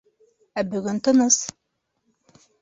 Ә бөгөн тыныс.